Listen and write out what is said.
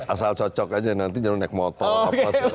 asal cocok saja nanti jangan naik motor